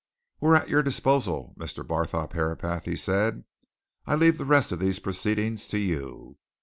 "We are at your disposal, Mr. Barthorpe Herapath," he said. "I leave the rest of these proceedings to you.